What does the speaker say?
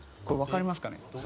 これ分かりますかね。